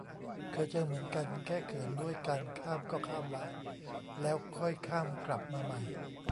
เคยเจอเหมือนกัน แก้เขินด้วยการ ข้ามก็ข้ามวะ แล้วค่อยข้ามกลับมาใหม่